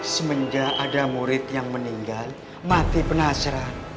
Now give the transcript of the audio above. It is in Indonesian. semenjak ada murid yang meninggal mati penasaran